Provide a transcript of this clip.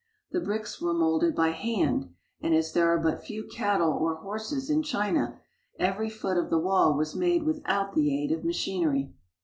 The bricks were molded by hand, and as there are but few cattle or horses in China, every foot of the wall was made without the aid of machinery.